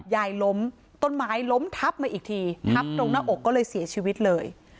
ล้มต้นไม้ล้มทับมาอีกทีทับตรงหน้าอกก็เลยเสียชีวิตเลย